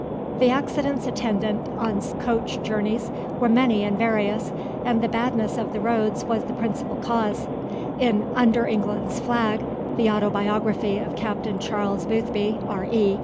[Illustration: FROM "A SUMMER'S EVENING"] The accidents attendant on coach journeys were many and various, and the badness of the roads was the principal cause. In Under England's Flag, the autobiography of Captain Charles Boothby, R.E.